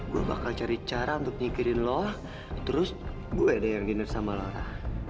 gue bakal cari cara untuk nyikirin lo terus gue deh yang giner sama laura